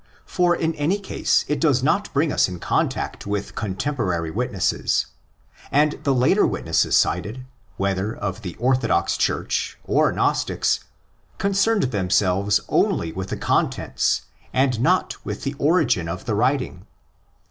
For in any case it does not bring us in contact with contemporary witnesses; and the later witnesses cited, whether of the '' orthodox Church" or Gnostics, concerned themselves only with the contents and not with the origin of the writing.